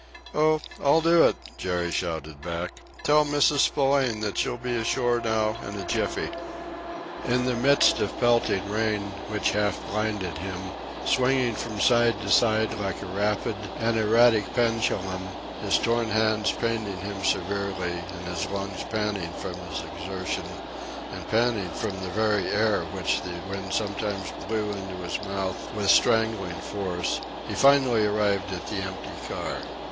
"Oh, I'll do it!" Jerry shouted back. "Tell Mrs. Spillane that she'll be ashore now in a jiffy!" In the midst of pelting rain, which half blinded him, swinging from side to side like a rapid and erratic pendulum, his torn hands paining him severely and his lungs panting from his exertions and panting from the very air which the wind sometimes blew into his mouth with strangling force, he finally arrived at the empty car.